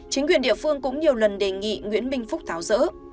chính quyền địa phương cũng nhiều lần đề nghị nguyễn minh phúc tháo rỡ